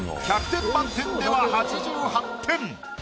１００点満点では８８点。